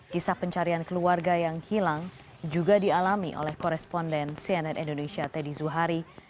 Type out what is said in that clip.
kisah pencarian keluarga yang hilang juga dialami oleh koresponden cnn indonesia teddy zuhari